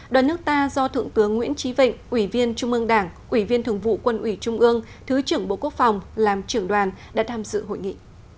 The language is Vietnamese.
đoàn nước ta do thượng tướng nguyễn trí vịnh ủy viên trung ương đảng ủy viên thường vụ quân ủy trung ương thứ trưởng bộ quốc phòng làm trưởng đoàn đã tham dự hội nghị